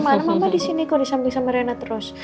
mana mana mama di sini kok disamping sama rena terus